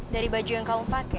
dari baju yang kamu pakai